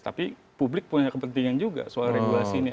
tapi publik punya kepentingan juga soal regulasi ini